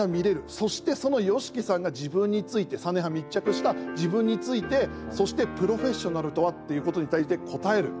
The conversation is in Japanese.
そしてそのＹＯＳＨＩＫＩさんが自分について３年半、密着した自分についてそして「プロフェッショナルとは？」ということに対して答える。